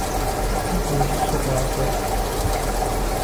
Сыт зищӀысыр гъащӀэр?